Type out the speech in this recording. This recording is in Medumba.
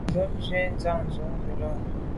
Nson yub ju ze Njantùn ghù là.